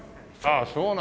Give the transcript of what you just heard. そうなんだ。